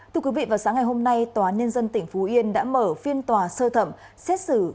thưa quý vị vào sáng ngày hôm nay tòa nhân dân tỉnh phú yên đã mở phiên tòa sơ thẩm xét xử